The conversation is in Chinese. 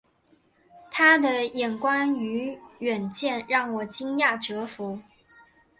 他的眼光与远见让我惊讶折服